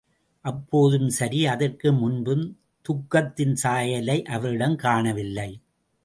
அப்போதும் சரி, அதற்கு முன்பும், துக்கத்தின் சாயலை அவரிடம் காணவில்லை.